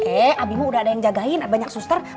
eh abimah udah ada yang jagain ada banyak suster